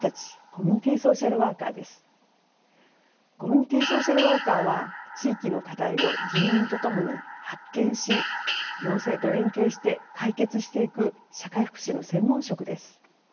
コミュニティソーシャルワーカーは地域の課題を住民と共に発見し行政と連携して解決していく社会福祉の専門職です。